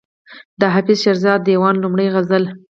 د حافظ شیرازي د دېوان لومړی غزل.